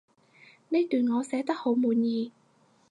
呢段我寫得好滿意